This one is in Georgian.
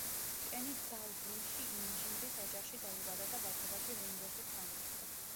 კენი დალგლიში ინჟინრის ოჯახში დაიბადა და ბავშვობაში „რეინჯერსის“ ფანი იყო.